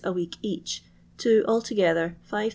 a week each, to, altogether, 5200